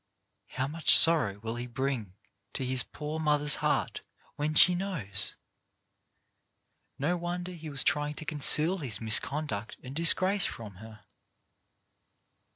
How much sorrow will he bring to his poor mother's heart when she knows ! No wonder he was trying to conceal his misconduct and disgrace from her.